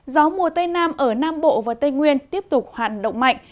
gió mùa tây nam ở nam bộ và tây nguyên tiếp tục hoạt động mạnh